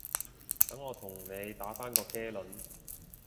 等我同你打返個茄輪